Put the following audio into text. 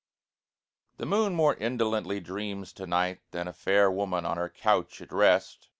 The Moon more indolently dreams to night Than a fair woman on her couch at rest.